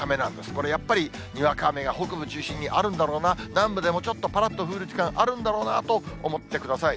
これやっぱりにわか雨が北部中心にあるんだろうな、南部でもちょっとぱらっと降る時間あるんだろうなと思ってください。